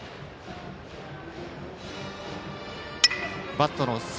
バットの先。